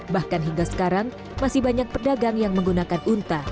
bahkan hingga sekarang masih banyak pedagang yang menggunakan unta